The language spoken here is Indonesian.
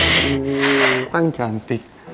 kamu kan cantik